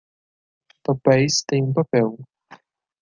Papéis têm um papel